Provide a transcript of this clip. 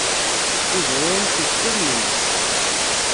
Yuba iɛum s yiceḍḍiḍen-nnes.